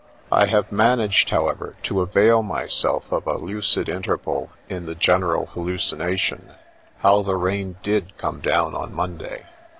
I have managed, however, to avail myself of a lucid interval in the general hallucination (how the rain did come down on Monday